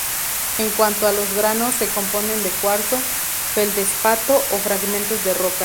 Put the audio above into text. En cuanto a los granos se componen de cuarzo, feldespato o fragmentos de roca.